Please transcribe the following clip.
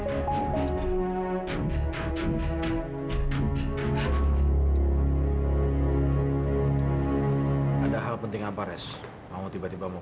tambah lagi senang berpuasa